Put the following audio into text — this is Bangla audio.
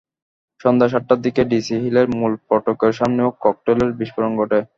সন্ধ্যা সাতটার দিকে ডিসি হিলের মূল ফটকের সামনেও ককটেলের বিস্ফোরণ ঘটে।